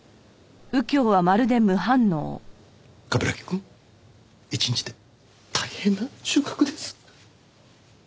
「冠城くん一日で大変な収穫です！」。